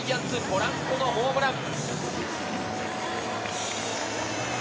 ポランコのホームラン。